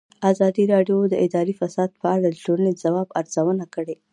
ازادي راډیو د اداري فساد په اړه د ټولنې د ځواب ارزونه کړې.